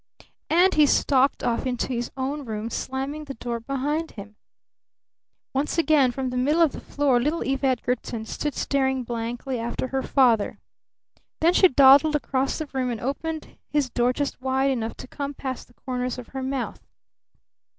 And he stalked off into his own room, slamming the door behind him. Once again from the middle of the floor little Eve Edgarton stood staring blankly after her father. Then she dawdled across the room and opened his door just wide enough to compass the corners of her mouth.